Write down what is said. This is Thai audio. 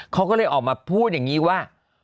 เขาก็เลยออกมาพูดอย่างนี้ว่า